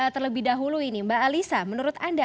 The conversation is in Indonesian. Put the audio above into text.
terlebih dahulu ini mbak alisa menurut anda